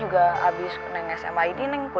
gitu sama si abah